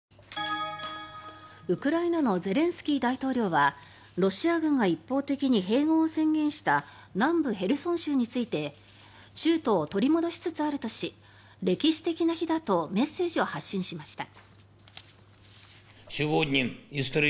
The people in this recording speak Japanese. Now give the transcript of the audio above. ウクライナのゼレンスキー大統領はロシア軍が一方的に併合を宣言した南部ヘルソン州について州都を取り戻しつつあるとし歴史的な日だとメッセージを発信しました。